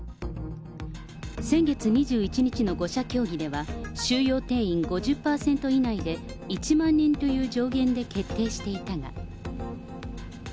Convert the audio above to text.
先月２１日の５者協議では、収容定員５０％以内で１万人という上限で決定していたが。